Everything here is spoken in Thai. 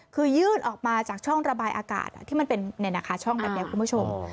คือยื่นออกมาจากช่องระบายอากาศที่มันเป็นช่องแบบนี้คุณผู้ชม